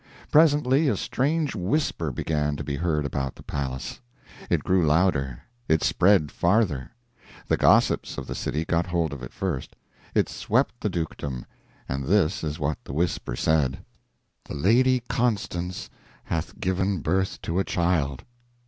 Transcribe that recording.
Presently a strange whisper began to be heard about the palace. It grew louder; it spread farther. The gossips of the city got hold of it. It swept the dukedom. And this is what the whisper said: "The Lady Constance hath given birth to a child!"